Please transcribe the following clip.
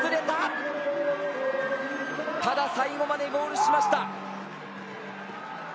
ただ、最後までゴールしました。